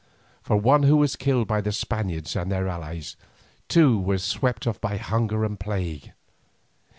For one who was killed by the Spaniards and their allies, two were swept off by hunger and plague.